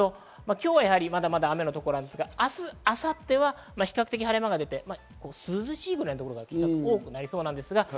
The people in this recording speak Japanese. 今日はまだまだ雨のところがありますが、明日、明後日は比較的晴れ間が出て、涼しいぐらいのところも多くなりそうです。